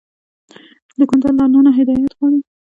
دوکاندار له الله نه هدایت غواړي.